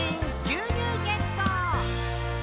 「牛乳ゲット！」